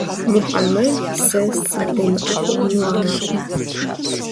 Мухьэмэд, сэ сыбдэмыӀэпыкъуну аракъым.